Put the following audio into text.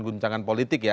guncangan politik ya